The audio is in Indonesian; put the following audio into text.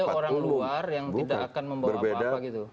iya kan dia orang luar yang tidak akan membawa apa apa gitu